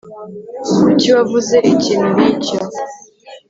kuki wavuze ikintu nkicyo